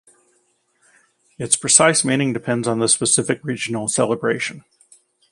Its precise meaning depends on the specific regional celebration.